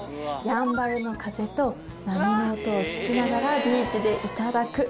やんばるの風と波の音を聞きながらビーチでいただく！